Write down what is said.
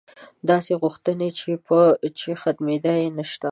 داسې غوښتنې یې دي چې ختمېدا یې نشته.